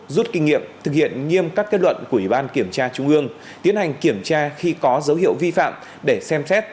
rút kinh nghiệm thực hiện nghiêm các kết luận của ủy ban kiểm tra trung ương tiến hành kiểm tra khi có dấu hiệu vi phạm để xem xét